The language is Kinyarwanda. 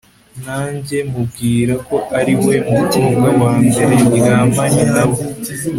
najye mubwira ko ariwe mukobwa wambere ndyamanye nawe